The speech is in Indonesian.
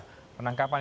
dan juga penangkapan